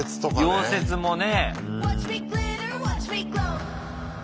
溶接もね。